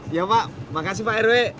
iya pak makasih pak herwe